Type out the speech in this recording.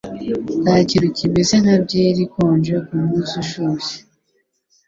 Ntakintu kimeze nka byeri ikonje kumunsi ushushe.